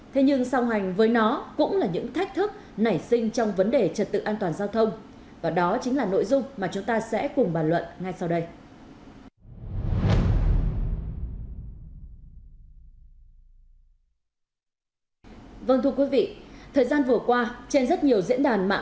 thế nhưng song hành với nó cũng là những thách thức nảy sinh trong vấn đề trật tự an toàn giao thông và đó chính là nội dung mà chúng ta sẽ cùng bàn luận ngay sau đây